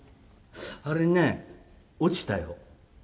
「あれね落ちたよ」。